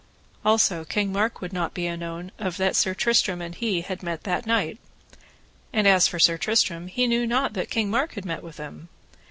Also King Mark would not be aknown of that Sir Tristram and he had met that night. And as for Sir Tristram, he knew not that King Mark had met with him.